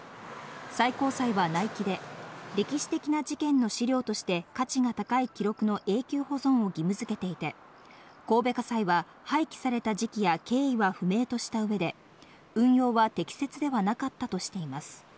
最高裁は内規で歴史的な事件の資料として価値が高い記録の永久保存を義務づけていて、神戸家裁は廃棄された時期や経緯は不明とした上で、運用は適切ではなかったとしています。